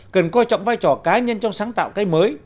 cần coi trọng vai trò cá nhân trong sáng tạo cái mới